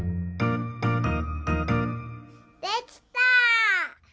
できた！